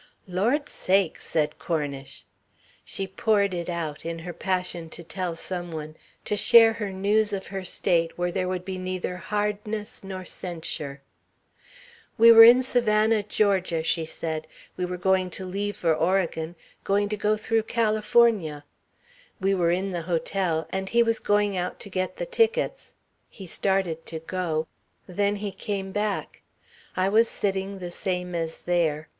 "Lord sakes!" said Cornish. She poured it out, in her passion to tell some one, to share her news of her state where there would be neither hardness nor censure. "We were in Savannah, Georgia," she said. "We were going to leave for Oregon going to go through California. We were in the hotel, and he was going out to get the tickets. He started to go. Then he came back. I was sitting the same as there.